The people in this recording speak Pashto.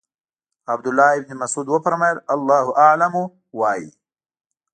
عبدالله ابن مسعود وفرمایل الله اعلم وایئ.